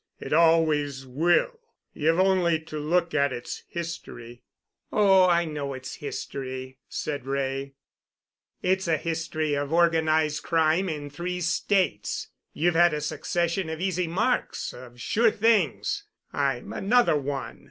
It always will. You've only to look at its history——" "Oh, I know its history," said Wray. "It's a history of organized crime in three states. You've had a succession of easy marks—of sure things. I'm another one.